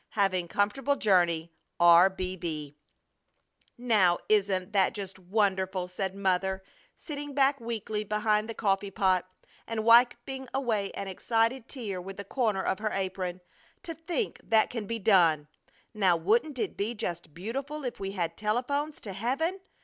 Having comfortable journey. R.B.B. "Now isn't that just wonderful!" said Mother, sitting back weakly behind the coffee pot and wiping away an excited tear with the corner of her apron. "To think that can be done! Now, wouldn't it be just beautiful if we had telephones to heaven!